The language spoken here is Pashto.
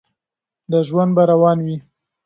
دا ژوند به روان وي.